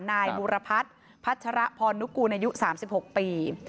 นายบุรพัฒน์พัชรพรนุกูลอายุ๓๖ปี